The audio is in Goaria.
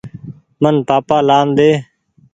مين پآپآ لآن ۮي۔